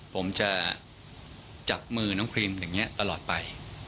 ผมจะจับมือน้องครีมอย่างนี้ตลอดไป